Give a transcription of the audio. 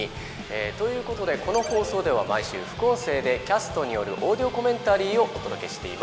ええということでこの放送では毎週副音声でキャストによるオーディオコメンタリーをお届けしています。